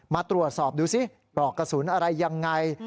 มาตรวจสอบดูสิปลอกกระสุนอะไรยังไง